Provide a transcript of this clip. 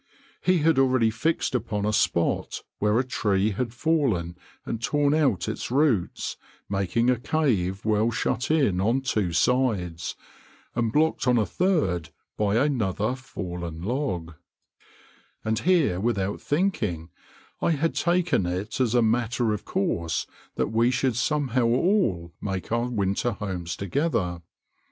He had already fixed upon a spot where a tree had fallen and torn out its roots, making a cave well shut in on two sides, and blocked on a third by another fallen log; and here, without thinking, I had taken it as a matter of course that we should somehow all make our winter homes together.